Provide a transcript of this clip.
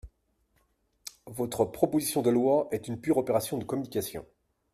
Votre proposition de loi est une pure opération de communication.